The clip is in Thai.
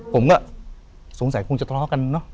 ผมก็สงสัยคงจะทะเลาะกันเนอะ